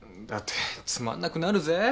だってつまんなくなるぜ。